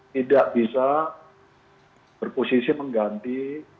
tidak bisa berposisi mengganti